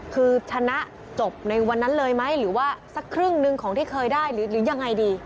คือชนะจบในวันนั้นเลยไหมหรือว่าสักครึ่งหนึ่งของที่เคยได้หรือยังไงดี